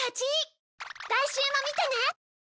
来週も見てね！